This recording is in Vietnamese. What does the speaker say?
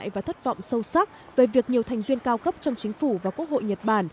và thất vọng sâu sắc về việc nhiều thành viên cao cấp trong chính phủ và quốc hội nhật bản